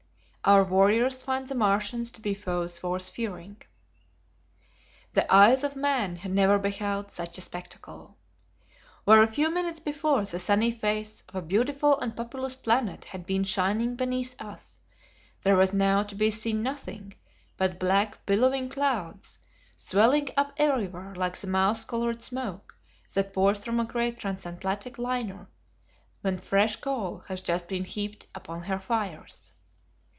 Our Warriors Find the Martians to Be Foes Worth Fearing. The eyes of man had never beheld such a spectacle! Where a few minutes before the sunny face of a beautiful and populous planet had been shining beneath us, there was now to be seen nothing but black, billowing clouds, swelling up everywhere like the mouse colored smoke that pours from a great transatlantic liner when fresh coal has just been heaped upon her fires.